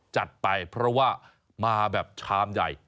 จัดไปเพราะว่ามาแบบชามใหญ่